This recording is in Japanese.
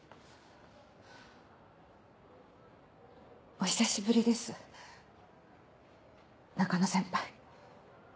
お久しぶりです中野先輩。